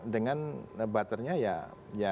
dengan butternya ya